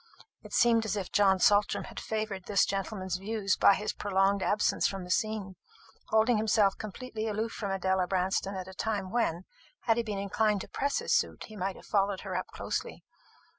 It seemed as if John Saltram had favoured this gentleman's views by his prolonged absence from the scene, holding himself completely aloof from Adela Branston at a time when, had he been inclined to press his suit, he might have followed her up closely.